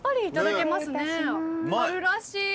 春らしい。